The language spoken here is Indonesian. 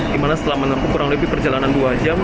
dimana setelah menempuh kurang lebih perjalanan dua jam